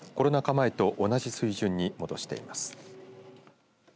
前と同じ水準に戻しています。